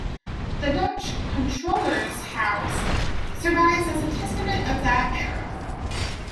The Dutch "controleur"s house survives as a testament of that era.